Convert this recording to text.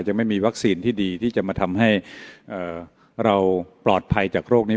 ไม่มีวัคซีนที่ดีที่จะมาทำให้เราปลอดภัยจากโรคนี้